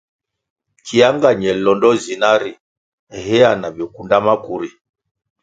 Kia nga ñe londo zina ri hea na bikunda maku ri.